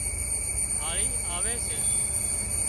هاۯِي آوي سي